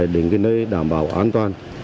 đến nơi đảm bảo an toàn